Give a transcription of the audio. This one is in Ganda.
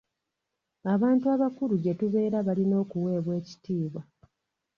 Abantu abakulu gye tubeera balina okuweebwa ekitiibwa.